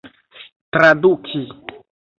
traduki